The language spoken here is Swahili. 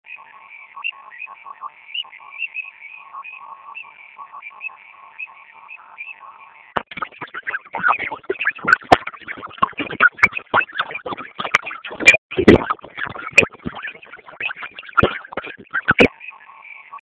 Rykodisc alitoa albamu ya mkusanyiko kwa jina Aliye heshimiwa